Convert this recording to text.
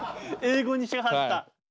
英語にしはった。